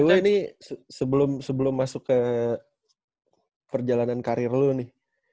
by the way nih sebelum masuk ke perjalanan karir lu nih